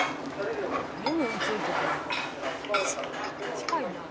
「近いな」